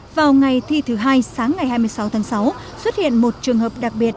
vào ngày thi thứ hai sáng ngày hai mươi sáu tháng sáu xuất hiện một trường hợp đặc biệt